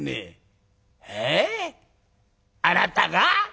「えあなたが？